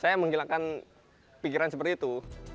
saya menghilangkan pikiran seperti itu